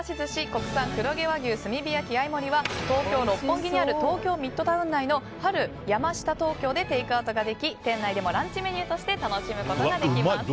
国産黒毛和牛炭火焼合盛りは東京・六本木にある東京ミッドタウン内のＨＡＬＹＡＭＡＳＨＩＴＡ東京でテイクアウトができ店内でもランチメニューとして楽しむことができます。